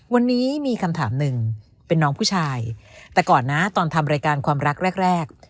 วันนี้มีคำถามหนึ่งเป็นน้องผู้ชายแต่ก่อนนะตอนทำรายการความรักแรกแรก